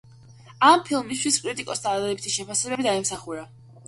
ამ ფილმისთვის კრიტიკოსთა დადებითი შეფასებები დაიმსახურა.